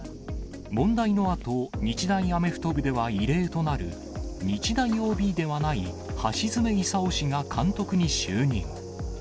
問題のあと、日大アメフト部では、異例となる、日大ＯＢではない橋詰功氏が監督に就任。